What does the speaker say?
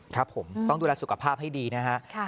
ครับผมต้องดูแลสุขภาพให้ดีนะฮะ